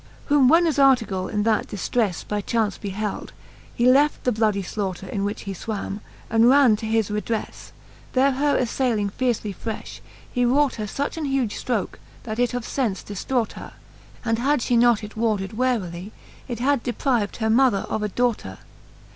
XLI. Whom when as Art^gall in that diftre0e By chaunce beheld, he left the bloudy flaughter, In which he fvvam, and ranne to his redrefle. There her aflayling fiercely frefh, he raught her Such an huge ftroke, that it of fence diftraught her; And had fhe not it warded warily, It had depriv'd her mother of a daughter.